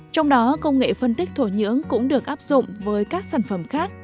trong đó công nghệ phân tích thổ nhưỡng cũng được áp dụng với các sản phẩm khác